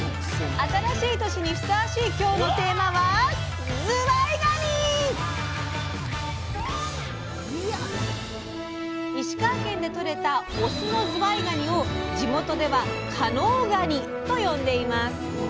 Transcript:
新しい年にふさわしい今日のテーマは石川県でとれたオスのずわいがにを地元では「加能がに」と呼んでいます。